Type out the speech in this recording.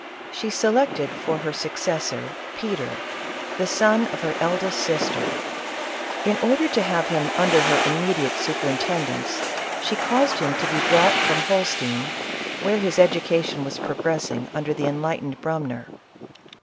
She selected for her successor, Peter, the son of her eldest sister. In order to have him under her immediate su perintendence, she caused him to be brought from Holstein, where his education was progressing under the enlightened Brumner.